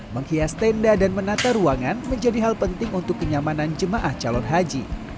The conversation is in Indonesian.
menghias tenda dan menata ruangan menjadi hal penting untuk kenyamanan jemaah calon haji